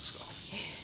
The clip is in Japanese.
ええ。